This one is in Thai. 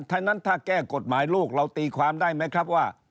ถ้านั้นถ้าแก้กฎหมายลูกเราตีความได้ไหมครับว่า